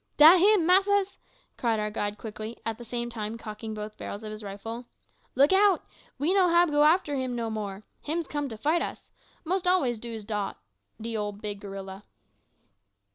"Dat him, massas!" cried our guide quickly, at the same time cocking both barrels of his rifle. "Look hout! we no hab go after him no more. Him's come to fight us. Most always doos dot de big ole gorilla."